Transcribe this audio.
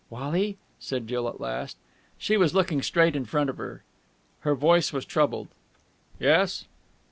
"Wally," said Jill at last. She was looking straight in front of her. Her voice was troubled. "Yes?"